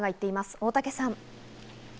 大竹さん。